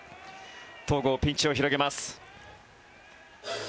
戸郷、ピンチを広げます。